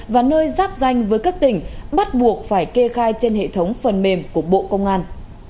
và nơi giáp danh với các tỉnh bắt buộc phải kê khai trên hệ thống phần mềm của bộ công an